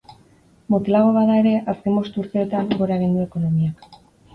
Motelago bada ere, azken bost urteetan gora egin du ekonomiak.